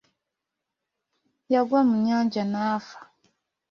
Yagwa mu nnyanja n'afa.